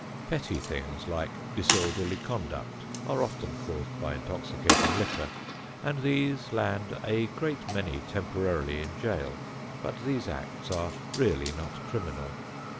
Petty things, like disorderly conduct, are often caused by intoxicating liquor, and these land a great many temporarily in jail, but these acts are really not criminal.